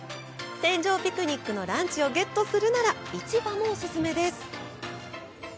船上ピクニックのランチをゲットするなら市場もお勧めです。